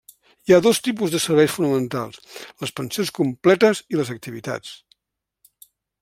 Hi ha dos tipus de serveis fonamentals: les pensions completes i les activitats.